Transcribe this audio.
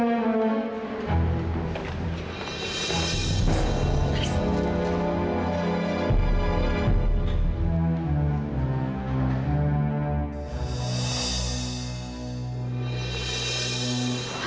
kelihatan dia sudah berhenti